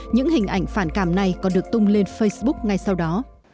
những hình ảnh phản cảm này còn được tung lên facebook ngay sau đó